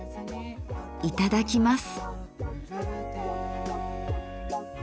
いただきます。